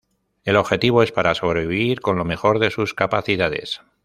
El objetivo es para sobrevivir con lo mejor de sus capacidades.